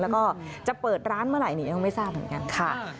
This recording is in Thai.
แล้วก็จะเปิดร้านเมื่อไหร่นี่ยังไม่ทราบเหมือนกันค่ะ